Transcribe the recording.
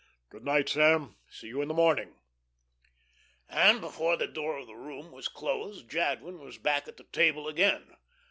"Good night, Sam. See you in the morning." And before the door of the room was closed, Jadwin was back at the table again.